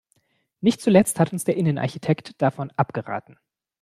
Nicht zuletzt hat uns der Innenarchitekt davon abgeraten.